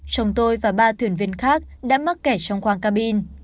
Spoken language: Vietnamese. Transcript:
chồng tôi và ba thuyền viên khác đã mắc kẻ trong khoang cabin